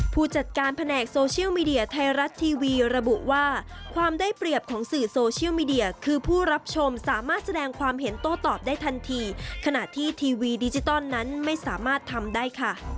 ผู้จัดการแผนกโซเชียลมีเดียไทยรัฐทีวีระบุว่าความได้เปรียบของสื่อโซเชียลมีเดียคือผู้รับชมสามารถแสดงความเห็นโต้ตอบได้ทันทีขณะที่ทีวีดิจิตอลนั้นไม่สามารถทำได้ค่ะ